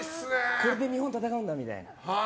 これで日本戦うんだみたいな。